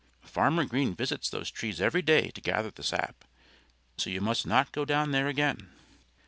Farmer Green visits those trees every day to gather the sap. So you must not go down there again."